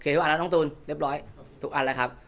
ทุกอันแล้วน้องตูนเรียบร้อยทุกอันแล้วครับ